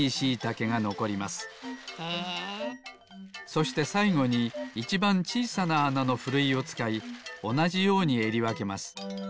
そしてさいごにいちばんちいさなあなのふるいをつかいおなじようにえりわけます。